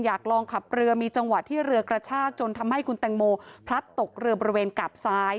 อยากลองขับเรือมีจังหวะที่เรือกระชากจนทำให้คุณแตงโมพลัดตกเรือบริเวณกาบซ้าย